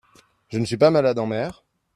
je ne suis pas malade en mer.